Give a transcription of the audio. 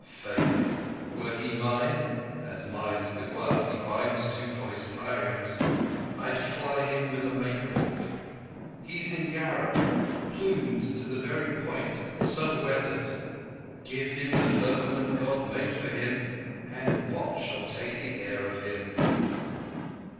Faith! were he mine (As mine's the glove he binds to for his tirings) I'd fly him with a make hawk. He's in yarak Plumed to the very point—so manned, so weathered... Give him the firmament God made him for, And what shall take the air of him?